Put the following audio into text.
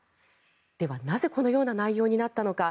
ではなぜこのような内容になったのか。